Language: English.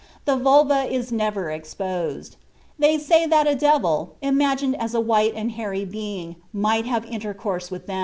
The vulva is never exposed. They say that a devil, imagined as a white and hairy being, might have intercourse with them."